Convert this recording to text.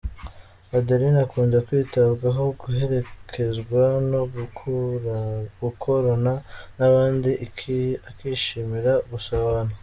Adeline akunda kwitabwaho, guherekezwa, no gukorana n’abandi akishimira gusabana.